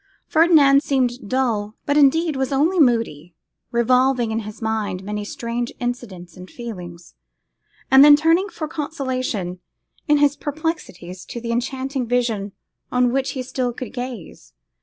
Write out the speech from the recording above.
Ferdinand seemed dull, but, indeed, was only moody, revolving in his mind many strange incidents and feelings, and then turning for consolation in his perplexities to the enchanting vision on which he still could gaze.